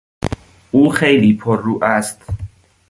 او خیلی پررو است.